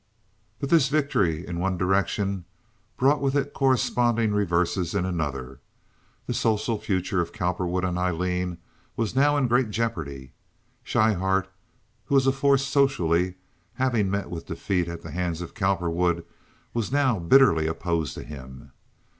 But this victory in one direction brought with it corresponding reverses in another: the social future of Cowperwood and Aileen was now in great jeopardy. Schryhart, who was a force socially, having met with defeat at the hands of Cowperwood, was now bitterly opposed to him.